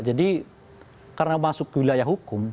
jadi karena masuk ke wilayah hukum